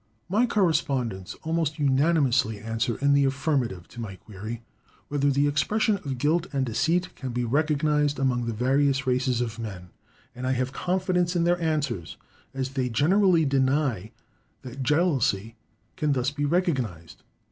My correspondents almost unanimously answer in the affirmative to my query, whether the expression of guilt and deceit can be recognized amongst the various races of man; and I have confidence in their answers, as they generally deny that jealousy can thus be recognized.